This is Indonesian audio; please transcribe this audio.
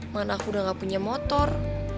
mana aku udah gak punya motor